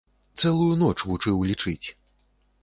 Цэлую ноч вучыў лічыць.